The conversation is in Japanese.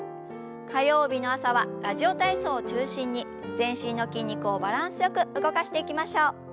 火曜日の朝は「ラジオ体操」を中心に全身の筋肉をバランスよく動かしていきましょう。